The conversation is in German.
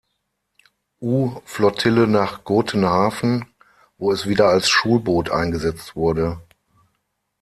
U-Flottille nach Gotenhafen, wo es wieder als Schulboot eingesetzt wurde.